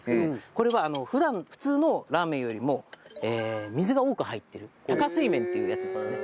これは普通のラーメンよりも水が多く入っている多加水麺っていうやつなんですよね。